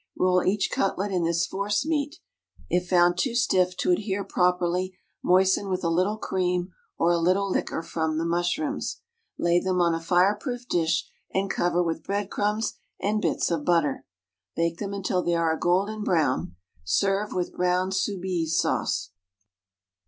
Roll each cutlet in this force meat (if found too stiff to adhere properly, moisten with a little cream or a little liquor from the mushrooms), lay them on a fire proof dish, and cover with bread crumbs and bits of butter. Bake them until they are a golden brown. Serve with brown Soubise sauce.